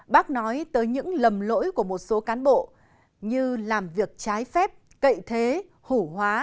bác nói tới những lầm lỗi của một số cán bộ như làm việc trái phép cậy thế hủ hóa